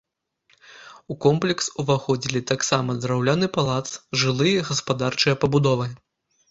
У комплекс уваходзілі таксама драўляны палац, жылыя і гаспадарчыя пабудовы.